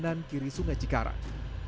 kanan kiri sungai cikarang